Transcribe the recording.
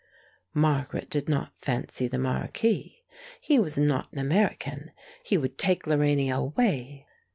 Margaret did not fancy the marquis. He was not an American. He would take Lorania away.